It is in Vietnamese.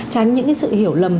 tránh những cái sự hiểu lầm